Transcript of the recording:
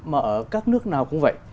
mà ở các nước nào cũng vậy